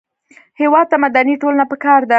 هېواد ته مدني ټولنه پکار ده